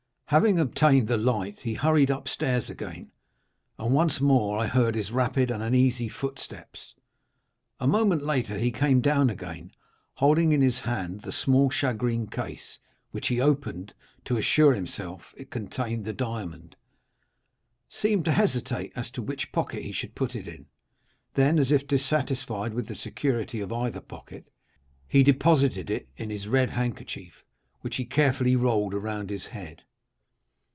Having obtained the light, he hurried upstairs again, and once more I heard his rapid and uneasy footsteps. "A moment later he came down again, holding in his hand the small shagreen case, which he opened, to assure himself it contained the diamond,—seemed to hesitate as to which pocket he should put it in, then, as if dissatisfied with the security of either pocket, he deposited it in his red handkerchief, which he carefully rolled round his head.